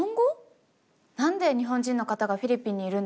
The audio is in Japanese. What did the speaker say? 何で日本人の方がフィリピンにいるんですか？